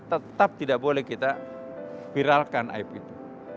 tetap tidak boleh kita viralkan aib itu